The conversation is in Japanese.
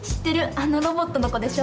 あのロボットの子でしょ？